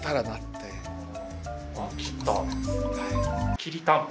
きりたんぽ。